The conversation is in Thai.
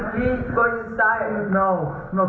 ไม่ใช่นี่